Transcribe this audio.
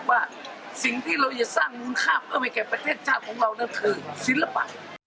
ว่าสิ่งที่เราจะสร้างมูลค่าเพิ่มให้แก่ประเทศชาติของเรานั่นคือศิลปะ